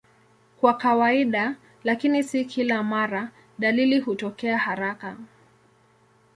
Kwa kawaida, lakini si kila mara, dalili hutokea haraka.